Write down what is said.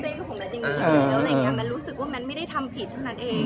แล้วอะไรอย่างนี้แมทรู้สึกว่าแมทไม่ได้ทำผิดเท่านั้นเอง